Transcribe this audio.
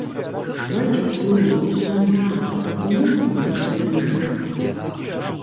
Уа, Джэду, КӀущэ Нагъуэ, умыщӀ дзыгъуэхэм я жагъуэ.